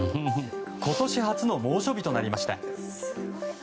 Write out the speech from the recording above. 今年初の猛暑日となりました。